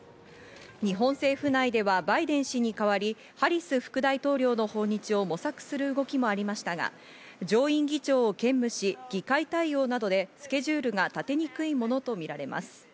日本政府内ではバイデン氏に代わりハリス副大統領の訪日を模索する動きもありましたが、上院議長を兼務し議会対応などでスケジュールが立てにくいものとみられます。